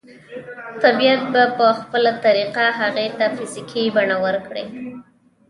طبيعت به په خپله طريقه هغې ته فزيکي بڼه ورکړي.